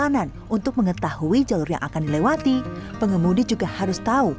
perjalanan untuk mengetahui jalur yang akan dilewati pengemudi juga harus tahu